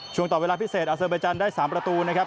ช่วงต่อเวลาพิเศษอาซาเบจันได้๓ประตูนะครับ